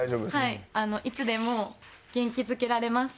いつでも元気づけられます。